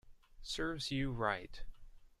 Serves you right